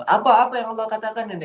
apa apa yang allah katakan ini